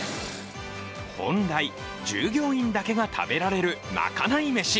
本来、従業員だけが食べられるまかない飯。